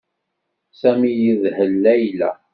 Sami yedhel Layla.